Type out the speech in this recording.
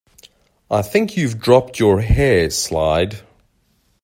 I think you’ve dropped your hair slide